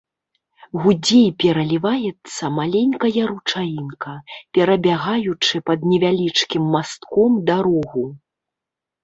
Гудзе і пераліваецца маленькая ручаінка, перабягаючы пад невялічкім мастком дарогу.